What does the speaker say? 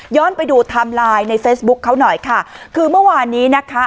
ไปดูไทม์ไลน์ในเฟซบุ๊คเขาหน่อยค่ะคือเมื่อวานนี้นะคะ